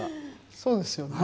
そうですよね。